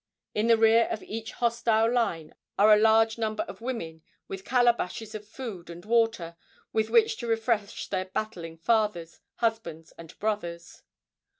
In the rear of each hostile line are a large number of women with calabashes of food and water with which to refresh their battling fathers, husbands and brothers.